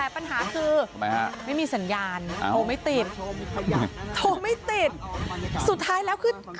ปัญหาคือมีสัญญาณโทรไม่ติดสุดท้ายแล้วคือ